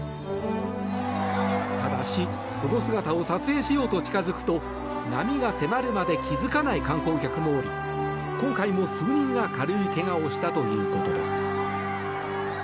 ただしその姿を撮影しようと近付くと波が迫るまで気付かない観光客も多く今回も数人が軽い怪我をしたということです。